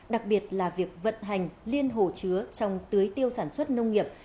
đặc biệt là việc vận hành liên hồ chứa trong tưới tiêu sản xuất nông nghiệp